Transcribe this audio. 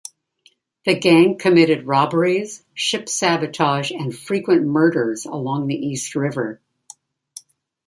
The gang committed robberies, ship sabotage and frequent murders along the East River.